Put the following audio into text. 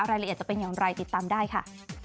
รายละเอียดจะเป็นอย่างไรติดตามได้ค่ะ